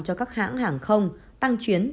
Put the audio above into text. cho các hãng hàng không tăng chuyến